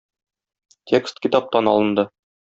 Текст китаптан алынды.